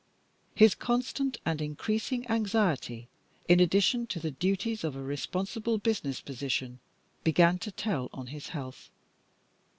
His constant and increasing anxiety, in addition to the duties of a responsible business position, began to tell on his health.